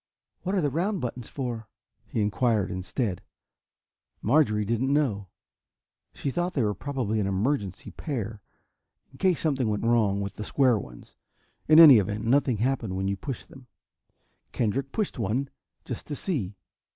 "What are the round buttons for?" he inquired instead. Marjorie didn't know, but thought they were probably an emergency pair, in case something went wrong with the square ones. In any event, nothing happened when you pushed them. Kendrick pushed one, just to see.